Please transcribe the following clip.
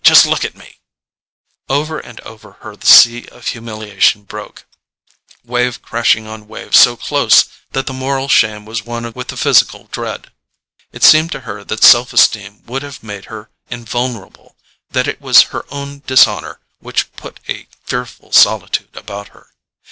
—just look at me——" Over and over her the sea of humiliation broke—wave crashing on wave so close that the moral shame was one with the physical dread. It seemed to her that self esteem would have made her invulnerable—that it was her own dishonour which put a fearful solitude about her.